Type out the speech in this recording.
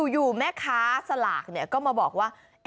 อยู่แม่ค้าสลากก็มาบอกว่า